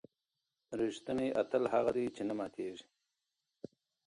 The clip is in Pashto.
ریښتینی اتل هغه دی چې نه ماتېږي.